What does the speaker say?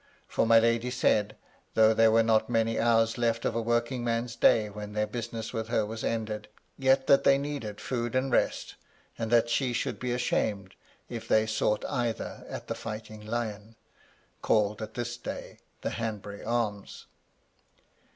For my lady said, though there were not many hours left of a working man's day when their business with her was ended, yet that they needed food and rest, and that she should be ashamed if they sought either at the Fighting Lion (called at this day the Hanbury Arms).